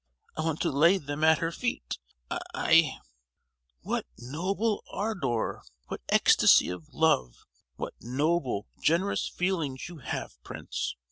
I want to lay them at her feet.——I——" "What noble ardour! what ecstasy of love! what noble, generous feelings you have, Prince!"